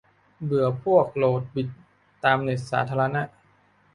เบื่อพวกโหลดบิทตามเน็ตสาธารณะ